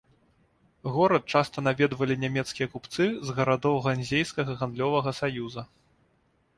Горад часта наведвалі нямецкія купцы з гарадоў ганзейскага гандлёвага саюза.